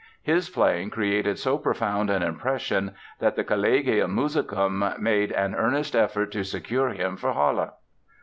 His playing created so profound an impression that the Collegium Musicum made an earnest effort to secure him for Halle.